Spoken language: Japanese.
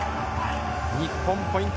日本、ポイント。